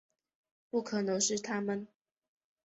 不可能是他们